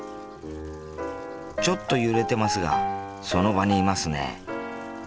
ちょっと揺れてますがその場にいますね。